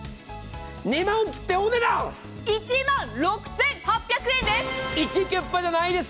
２万切って、お値段１万６８００円です。